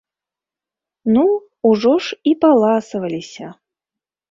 Ну, ужо ж і паласаваліся!